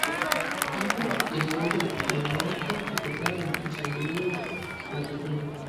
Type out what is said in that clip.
Kwato inaweza kungoka kutokana na kushambuliwa na vidonda